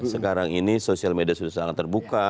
sekarang ini sosial media sudah sangat terbuka